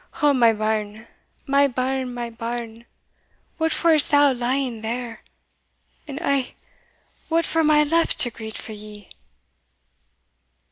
Oh, my bairn! my bairn! my bairn! what for is thou lying there! and eh! what for am I left to greet for ye!"